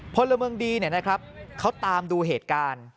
พลเมิงดีเนี่ยนะครับเขาตามดูเหตุการณ์